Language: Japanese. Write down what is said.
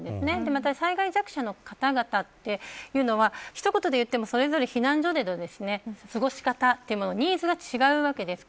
また災害弱者の方々というのは一言で言ってもそれぞれ避難所での過ごし方ニーズが違うわけです。